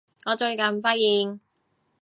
我最近發現